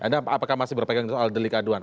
anda apakah masih berpegang soal delikaduan